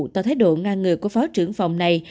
toàn thái độ ngang ngược của phó trưởng phòng này